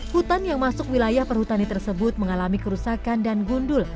hutan yang masuk wilayah perhutani tersebut mengalami kerusakan dan gundul